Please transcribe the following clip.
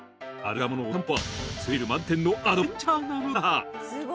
カルガモのお散歩はスリル満点のアドベンチャーなのだ！